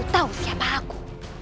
tahu siapa aku